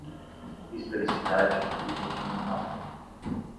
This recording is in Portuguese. Historicidade e regimental